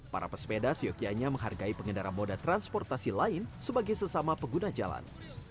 para pesepeda seyokianya menghargai pengendara moda transportasi lain sebagai sesama pengguna jalan